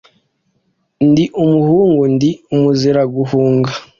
Ndi umuhungu ndi umuziraguhunga,